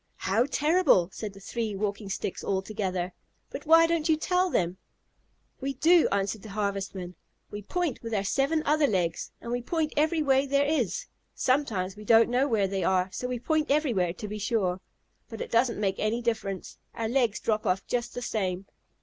"How terrible!" said the three Walking Sticks all together. "But why don't you tell them?" "We do," answered the Harvestmen. "We point with our seven other legs, and we point every way there is. Sometimes we don't know where they are, so we point everywhere, to be sure. But it doesn't make any difference. Our legs drop off just the same."